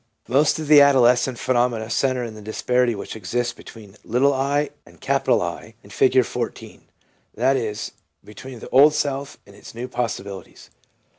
Most of the adolescence phenomena centre in the disparity which exists between ' i ' and * I ' in Figure 14 — that is, between the old self and its new possibilities.